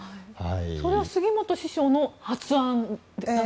それは杉本師匠の発案だったんですか？